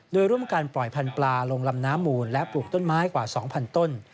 โดยร่วมกันปล่อยพันธุ์ปลาลงลำน้ำมูลและปลูกต้นไม้กว่า๒๐๐ต้น